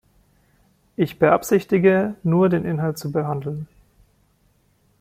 Ich beabsichtige, nur den Inhalt zu behandeln.